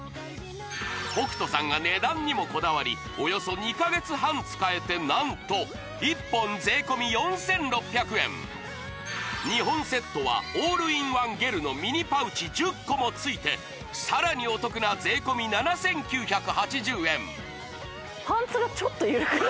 北斗さんが値段にもこだわりおよそ２か月半使えて何と１本税込４６００円２本セットはオールインワンゲルのミニパウチ１０個もついてさらにお得な税込７９８０円ええ